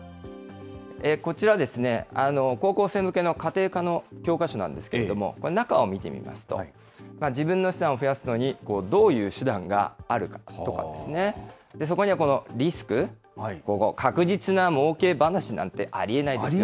こちら、高校生向けの家庭科の教科書なんですけども、中を見てみますと、自分の資産を増やすのに、どういう手段があるかとかですね、そこにはこのリスク、ここ、確実なもうけ話なんてありえないですよ。